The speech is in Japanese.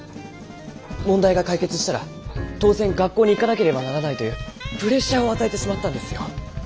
問題が解決したら当然学校に行かなければならないというプレッシャーを与えてしまったんですよ。